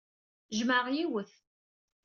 Jemɛeɣ yiwet.